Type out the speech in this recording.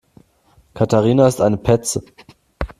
Katharina ist eine Petze.